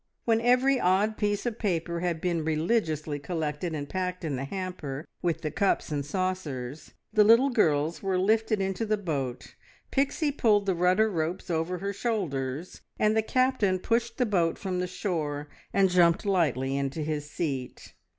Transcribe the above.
When every odd piece of paper had been religiously collected and packed in the hamper with the cups and saucers, the little girls were lifted into the boat, Pixie pulled the rudder ropes over her shoulders, and the Captain pushed the boat from the shore and jumped lightly into his seat.